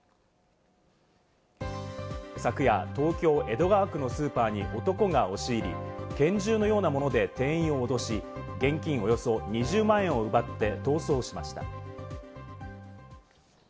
昨夜、東京・江戸川区のスーパーに男が押し入り、拳銃のようなもので店員を脅し、現金およそ２０万円を奪って逃走しました。